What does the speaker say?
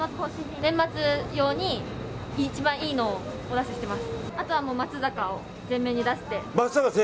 年末用に一番いいのをお出ししています。